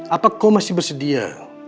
apa kau masih bersedia